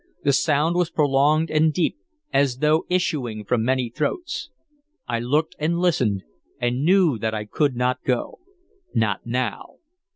The sound was prolonged and deep, as though issuing from many throats. I looked and listened, and knew that I could not go, not now.